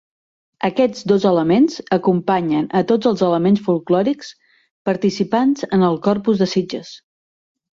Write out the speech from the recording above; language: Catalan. Aquests dos elements acompanyen a tots els elements folklòrics participants en el Corpus de Sitges.